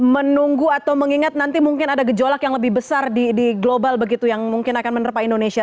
menunggu atau mengingat nanti mungkin ada gejolak yang lebih besar di global begitu yang mungkin akan menerpa indonesia